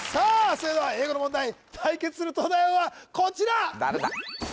それでは英語の問題対決する東大王はこちら誰だ？